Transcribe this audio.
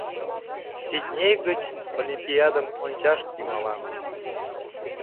Сидней гыч олимпиадым ончаш тӱҥалам.